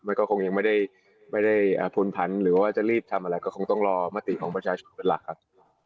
มันก็คงยังไม่ได้พุนผันหรือว่าจะรีบทำอะไรก็คงต้องรอมติของประชาชนเป็นหลักครับ